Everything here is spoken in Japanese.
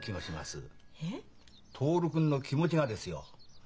徹君の気持ちがですよ。